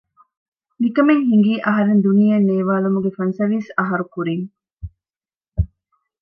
މިކަމެއް ހިނގީ އަހަރެން ދުނިޔެއަށް ނޭވާލުމުގެ ފަންސަވީސް އަހަރު ކުރީން